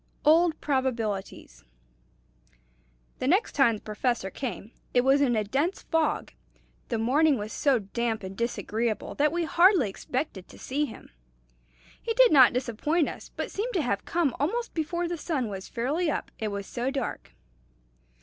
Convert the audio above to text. "OLD PROBABILITIES." The next time the Professor came, it was in a dense fog. The morning was so damp and disagreeable that we hardly expected to see him. He did not disappoint us, but seemed to have come almost before the sun was fairly up, it was so dark.